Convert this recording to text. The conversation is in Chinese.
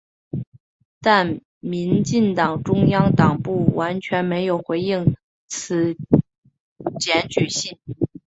但民进党中央党部完全没有回应此检举信。